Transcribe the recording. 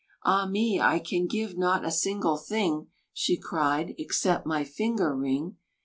"Ah me, I can give not a single thing," She cried, "except my finger ring."